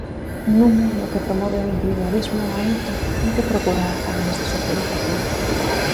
Nun mundo que promove o individualismo a eito, cómpre procurar canles de socialización.